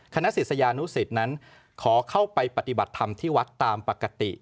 ศิษยานุสิตนั้นขอเข้าไปปฏิบัติธรรมที่วัดตามปกติ